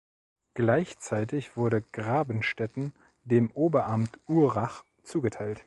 Gleichzeitig wurde Grabenstetten dem Oberamt Urach zugeteilt.